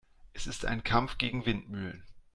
Es ist ein Kampf gegen Windmühlen.